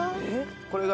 これが。